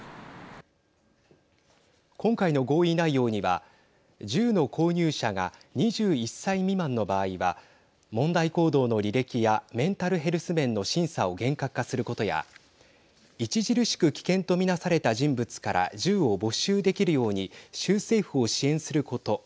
今回の合意内容には銃の購入者が２１歳未満の場合は問題行動の履歴やメンタルヘルス面の審査を厳格化することや著しく危険と見なされた人物から銃を没収できるように州政府を支援すること。